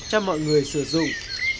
cho mọi người sử dụng